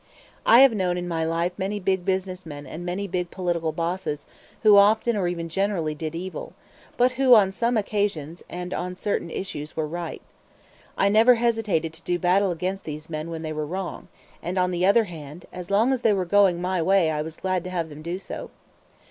I have known in my life many big business men and many big political bosses who often or even generally did evil, but who on some occasions and on certain issues were right. I never hesitated to do battle against these men when they were wrong; and, on the other hand, as long as they were going my way I was glad to have them do so.